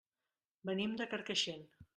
Venim de Carcaixent.